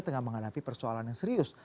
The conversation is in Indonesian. tengah menghadapi persoalan yang serius